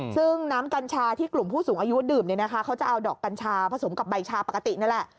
ซึ่งน้ำกัญชาที่กลุ่มผู้สูงอายุดื่มเนี่ยนะคะเขาจะเอาดอกกัญชาผสมกับใบชาปกตินั่นแหละ